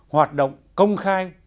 hoạt động công khai